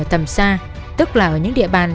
ở tầm xa tức là ở những địa bàn